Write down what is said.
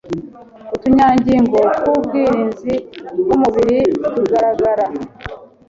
utunyangingo tw'ubwirinzi bw'umubiri tugaragara